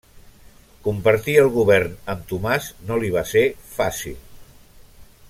Compartir el govern amb Tomàs no li va ser fàcil.